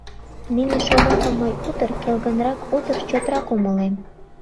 Нине шомакым мый утыр келгынрак, утыр чотрак умылем.